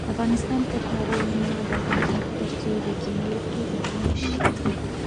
افغانستان تر هغو نه ابادیږي، ترڅو د کینې اور مړ نشي.